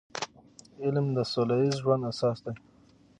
علم د سوله ییز ژوند اساس دی.